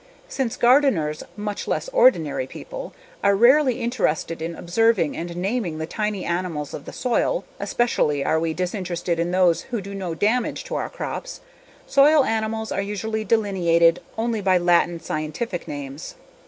Since gardeners, much less ordinary people, are rarely interested in observing and naming the tiny animals of the soil, especially are we disinterested in those who do no damage to our crops, soil animals are usually delineated only by Latin scientific names.